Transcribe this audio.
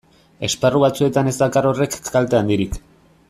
Esparru batzuetan ez dakar horrek kalte handirik.